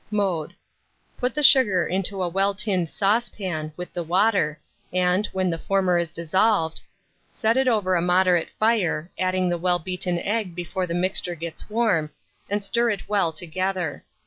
Mode. Put the sugar into a well tinned saucepan, with the water, and, when the former is dissolved, set it over a moderate fire, adding the well beaten egg before the mixture gets warm, and stir it well together.